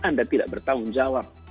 anda tidak bertanggung jawab